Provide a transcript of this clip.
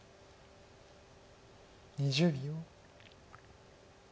２０秒。